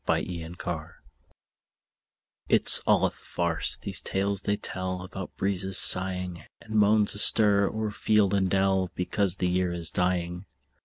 MERRY AUTUMN It's all a farce, these tales they tell About the breezes sighing, And moans astir o'er field and dell, Because the year is dying.